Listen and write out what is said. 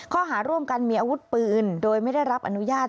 ข้อหาร่วมกันมีอาวุธปืนโดยไม่ได้รับอนุญาต